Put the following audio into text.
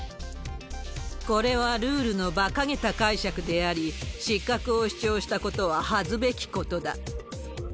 これはルールのばかげた解釈であり、失格を主張したことは恥ずべきことだ。